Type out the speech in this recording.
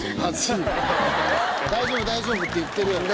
「大丈夫大丈夫」って言ってるやろ。